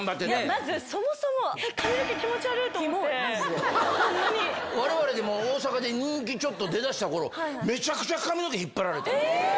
まずそもそも、われわれでも、大阪で人気ちょっと出だしたころ、めちゃくちゃ髪の毛引っ張られた。